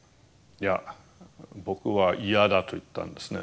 いや僕は嫌だと言ったんですね。